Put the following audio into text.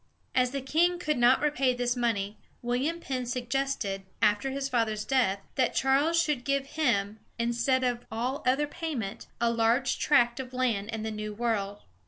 As the king could not repay this money, William Penn suggested, after his father's death, that Charles should give him, instead of all other payment, a large tract of land in the New World.